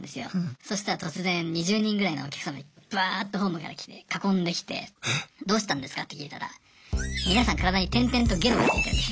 そしたら突然２０人ぐらいのお客様ブワーッとホームから来て囲んできてどうしたんですかって聞いたら皆さん体に点々とゲロがついてるんです。